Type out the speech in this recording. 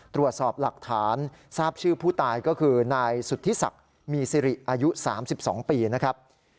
ตรวจสอบหลักฐานทราบชื่อผู้ตายก็คือนายสุธิศักดิ์มีสิริอายุ๓๒ปีนะครับ